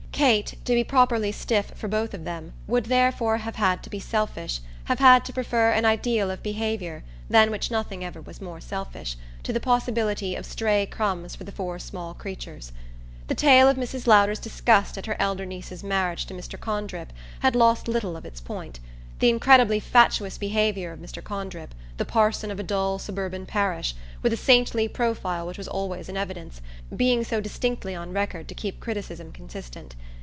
Kate, to be properly stiff for both of them, would therefore have had to be selfish, have had to prefer an ideal of behaviour than which nothing ever was more selfish to the possibility of stray crumbs for the four small creatures. The tale of Mrs. Lowder's disgust at her elder niece's marriage to Mr. Condrip had lost little of its point; the incredibly fatuous behaviour of Mr. Condrip, the parson of a dull suburban parish, with a saintly profile which was always in evidence, being so distinctly on record to keep criticism consistent.